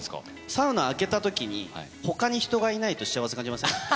サウナ開けたときに、ほかに人がいないと幸せ感じません？